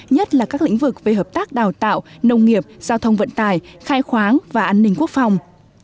nhất là các lĩnh vực về hợp tác đào tạo nông nghiệp giao thông vận tài khai khoáng và an ninh quốc phòng